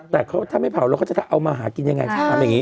แต่ถ้าไม่เผาแล้วเขาจะเอามาหากินยังไง